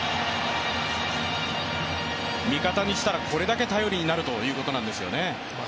味方にしたら、これだけ頼りになるということなんですよね。